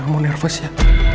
kamu nervous ya